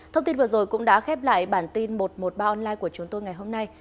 thông tin vừa rồi cũng đã khép lại bản tin một trăm một mươi ba online của chúng tôi ngày hôm nay